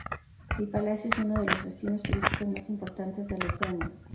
El palacio es uno de los destinos turísticos más importantes de Letonia.